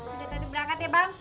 udah tadi berangkat ya bang